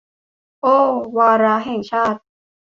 โอ้ วาระแห่งชาติ